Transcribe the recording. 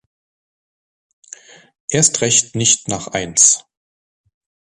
Erst recht nicht nach Eins.